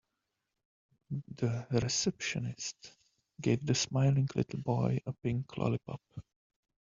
The receptionist gave the smiling little boy a pink lollipop.